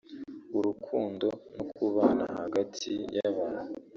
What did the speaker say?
urukundo no kubana hagati y’abantu